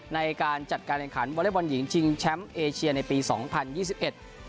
ในการจัดการแข่งขันวอเล็กบอลหญิงชิงแชมป์เอเชียในปีสองพันยี่สิบเอ็ด